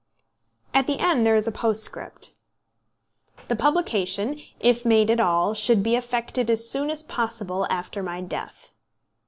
At the end there is a postscript: "The publication, if made at all, should be effected as soon as possible after my death."